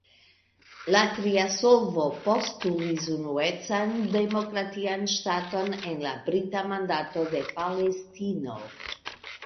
La tria solvo postulis unuecan demokratian ŝtaton en la Brita Mandato de Palestino.